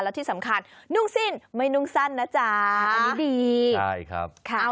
แล้วที่สำคัญนุ่งสิ้นไม่นุ่งสั้นนะจ๊ะอันนี้ดีใช่ครับค่ะ